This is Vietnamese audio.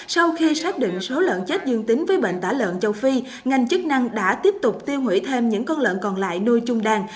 sau khi xác định số lợn chết dương tính với bệnh tả lợn châu phi ngành chức năng đã tiếp tục tiêu hủy thêm những con lợn còn lại nuôi chung đàn